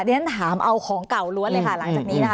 เดี๋ยวฉันถามเอาของเก่าล้วนเลยค่ะหลังจากนี้นะคะ